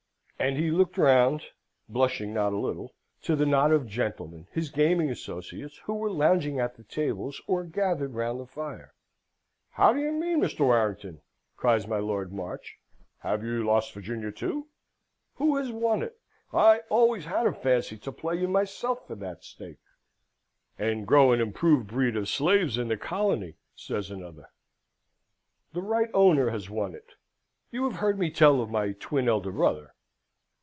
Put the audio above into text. And he looked round, blushing not a little, to the knot of gentlemen, his gaming associates, who were lounging at the tables or gathered round the fire. "How do you mean, Mr. Warrington?" cries my Lord March, "Have you lost Virginia, too? Who has won it? I always had a fancy to play you myself for that stake." "And grow an improved breed of slaves in the colony," says another. "The right owner has won it. You have heard me tell of my twin elder brother?"